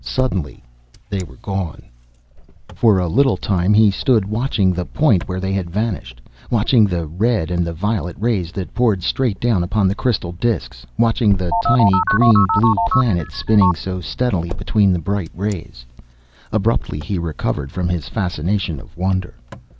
Suddenly they were gone. For a little time he stood watching the point where they had vanished, watching the red and the violet rays that poured straight down upon the crystal disks, watching the tiny, green blue planet spinning so steadily between the bright rays. Abruptly, he recovered from his fascination of wonder.